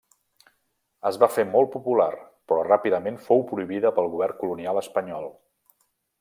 Es va fer molt popular, però ràpidament fou prohibida pel govern colonial espanyol.